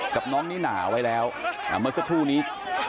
กับน้องนิน่าไว้แล้วเมื่อสักครู่นี้